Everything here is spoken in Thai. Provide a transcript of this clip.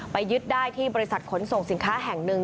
ยึดได้ที่บริษัทขนส่งสินค้าแห่งหนึ่ง